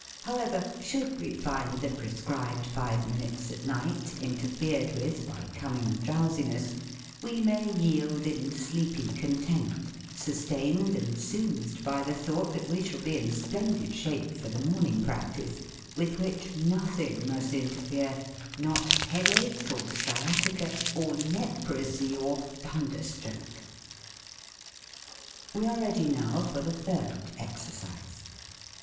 How ever, should we find the prescribed five min utes at night interfered with by coming drowsiness, we may yield in sleepy content, "sustained and soothed" by the thought that we shall be in splendid shape for the morn ing practice, with which nothing must inter fere, "not headache, or sciatica, or leprosy, or thunder stroke." We are ready now for the third exercise.